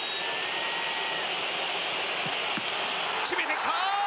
決めてきた！